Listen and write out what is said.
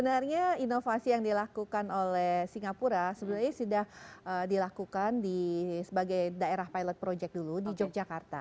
karena inovasi yang dilakukan oleh singapura sebenarnya sudah dilakukan sebagai daerah pilot project dulu di yogyakarta